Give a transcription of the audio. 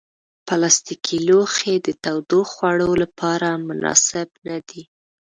پلاستيکي لوښي د تودو خوړو لپاره مناسب نه دي.